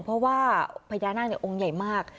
เพราะว่าพญานาคองค์ใหญ่มาก